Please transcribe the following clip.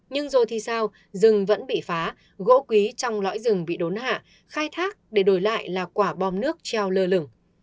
nhưng rồi thì sao rừng vẫn bị phá gỗ quý trong lõi rừng bị đốn hạ khai thác để đổi lại là quả bom nước treo lơ lửng